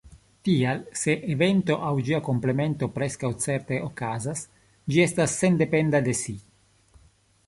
Tial se evento aŭ ĝia komplemento preskaŭ certe okazas, ĝi estas sendependa de si.